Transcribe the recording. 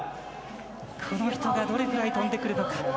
この人がどれくらい飛んでくるのか。